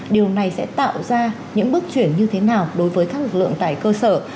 điều này sẽ tạo ra những bước chuyển như thế nào đối với các lực lượng tại cơ sở